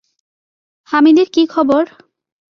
হামিদের কী খবর?